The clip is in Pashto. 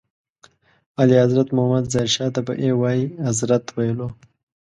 اعلیحضرت محمد ظاهر شاه ته به یې وایي اذرت ویلو.